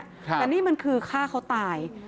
แต่นี่มันคือฆ่าเขาตาย